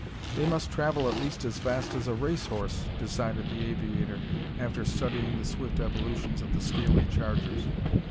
"They must travel at least as fast as a race horse," decided the aviator after studying the swift evolutions of the scaly chargers.